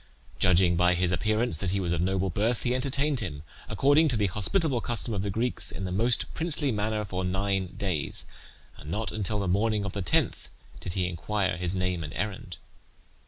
Judging by his appearance that he was of noble birth, he entertained him, according to the hospitable custom of the Greeks, in the most princely manner for nine days, and not until the morning of the tenth did he inquire his name and errand.